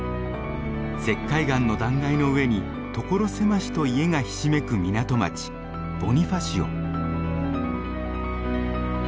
石灰岩の断崖の上に所狭しと家がひしめく港町ボニファシオ。